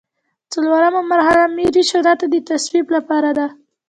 څلورمه مرحله ملي شورا ته د تصویب لپاره ده.